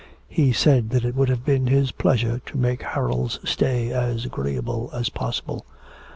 He said that it would have been his pleasure to make Harold's stay as agreeable as possible.